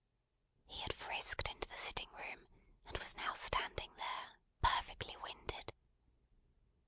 He had frisked into the sitting room, and was now standing there: perfectly winded.